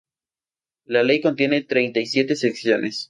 La ley contiene treinta y siete secciones.